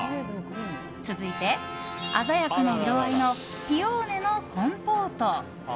続いて、鮮やかな色合いのピオーネのコンポート。